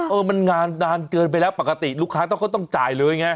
เออมันงานนานเกินไปแล้วปกติลูกค้าต้องจ่ายเลยไง